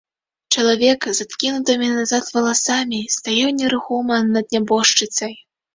Чалавек з адкінутымі назад валасамі стаяў нерухома над нябожчыцай.